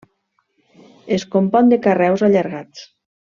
Es compon de carreus allargats.